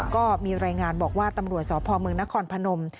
ก็มีรายงานบอกว่าตำรวจสพเมืองนครพนม